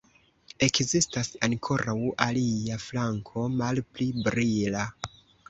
Ekzistis ankoraŭ alia flanko, malpli brila.